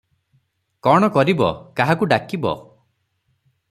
କ’ଣ କରିବ, କାହାକୁ ଡାକିବ।